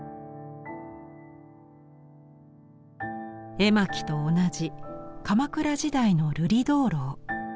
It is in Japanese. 絵巻と同じ鎌倉時代の瑠璃燈籠。